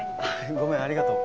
ごめんありがとう。